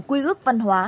quy ước văn hóa